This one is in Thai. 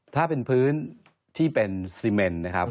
ถ้าเป็นพื้นที่เป็นซีเมนนะครับ